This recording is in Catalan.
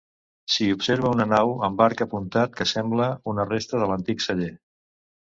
S'hi observa una nau amb arc apuntat que sembla ser una resta de l'antic celler.